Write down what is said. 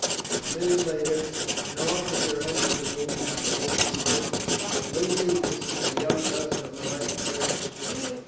A minute later an officer entered the room, and saluted stiffly. "Lindsay, this is a young cousin of mine, Fergus Drummond.